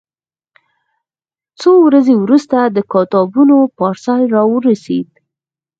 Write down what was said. څو ورځې وروسته د کتابونو پارسل راورسېد.